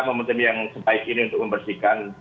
momentum yang sebaik ini untuk membersihkan